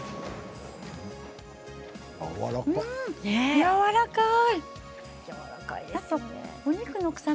やわらかい。